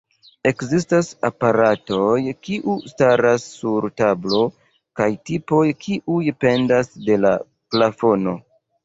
Ekzistas aparatoj kiu staras sur tablo kaj tipoj kiuj pendas de la plafono.